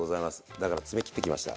だから爪切ってきました。